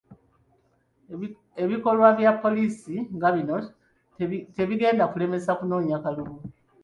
Ebikolwa bya poliisi nga bino tebigenda kumulemesa kunoonya kalulu.